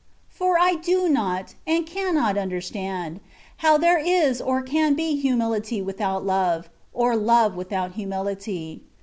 Fc»r I do not, and cannot understand, how there is or can be humility without love, or love without humility.